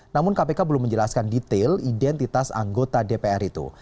namun kpk belum menjelaskan detail identitas anggota dpr itu